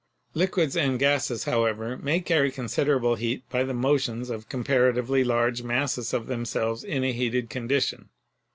Liquids and gases, however, may carry considerable heat by the motions of comparatively large masses of themselves in a heated condition.